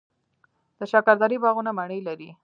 د شکردرې باغونه مڼې لري.